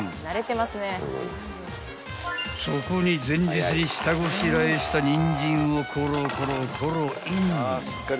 ［そこに前日に下ごしらえしたニンジンをコロコロコロイン］